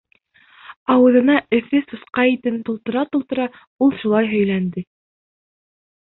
Ауыҙына эҫе сусҡа итен тултыра-тултыра ул шулай һөйләнде.